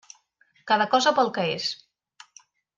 Cada cosa pel que és.